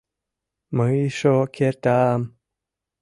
Мый ишо керта-ам.